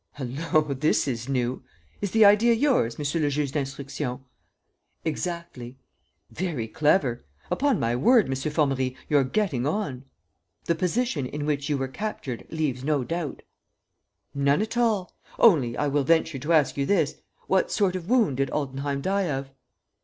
"Hullo, this is new! Is the idea yours, Monsieur le Juge d'Instruction?" "Exactly." "Very clever! Upon my word, M. Formerie, you're getting on!" "The position in which you were captured leaves no doubt." "None at all; only, I will venture to ask you this: what sort of wound did Altenheim die of?"